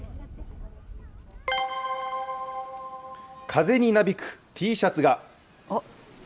風になびくＴシャツが。